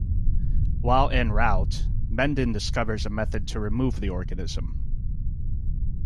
While en route, Mendon discovers a method to remove the organism.